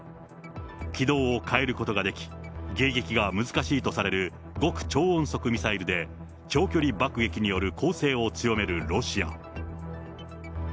軌道を変えることができ、迎撃が難しいとされる極超音速ミサイルで、長距離爆撃による攻勢を強めるロシア。